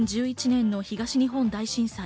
２０１１年の東日本大震災。